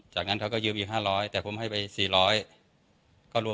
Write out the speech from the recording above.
จากนั้นเขาก็ยืมอีก๕๐๐แต่ผมให้ไป๔๐๐